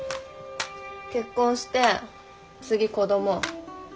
結婚して次子ども。